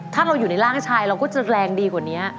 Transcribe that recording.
ถ้าเราอยู่ในร่างชายเราก็จะแรงดีกว่านี้